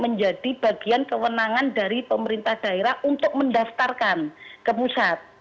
menjadi bagian kewenangan dari pemerintah daerah untuk mendaftarkan ke pusat